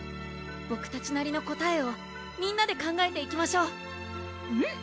ボクたちなりの答えをみんなで考えていきましょううん